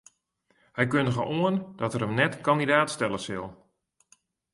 Hy kundige oan dat er him net kandidaat stelle sil.